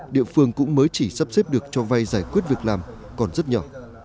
địa phương cũng mới chỉ sắp xếp được cho vay giải quyết việc làm còn rất nhỏ